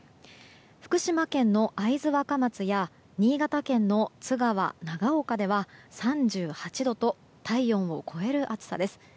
福島県の会津若松や新潟県の津川、長岡では３８度と体温を超える暑さです。